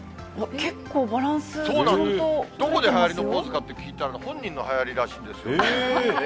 結構、バランス、どこではやりのポーズかって聞いたら、本人のはやりらしいですよ。